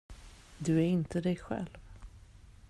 Du är inte dig själv.